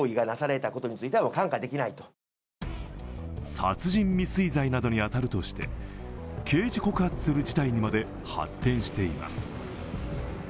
殺人未遂罪などに当たるとして刑事告発する事態にまで発展しています。